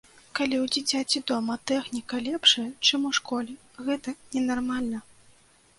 Калі ў дзіцяці дома тэхніка лепшая, чым у школе, гэта ненармальна!